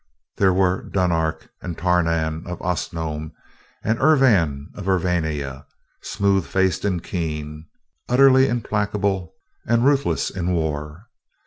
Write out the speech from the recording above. There were Dunark and Tarnan of Osnome and Urvan of Urvania smooth faced and keen, utterly implacable and ruthless in war.